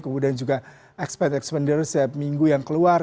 kemudian juga expense expenditure setiap minggu yang keluar